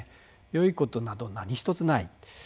よいことなど何一つない。